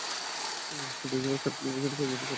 সেটাই ছিল টাইম ট্রাভেলের জন্য প্রয়োগীয় প্রথম ধাপ।